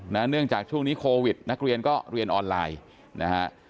เนื่องจากช่วงนี้โควิดนักเรียนก็เรียนออนไลน์นะฮะ